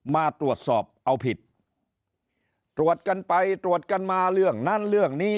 มาตรวจสอบเอาผิดตรวจกันไปตรวจกันมาเรื่องนั้นเรื่องนี้